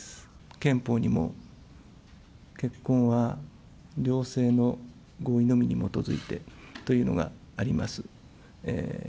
憲法にも、結婚は両性の合意のみに基づいてというのがあります。